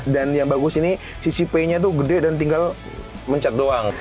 dan yang bagus ini ccp nya tuh gede dan tinggal mencet doang